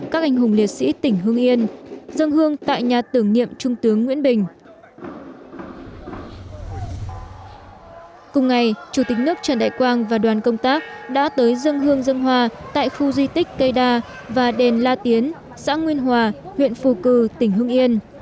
chủ tịch nước trần đại quang và đoàn công tác đã tới dân hương dân hoa tại khu di tích cây đa và đèn la tiến xã nguyên hòa huyện phù cử tỉnh hương yên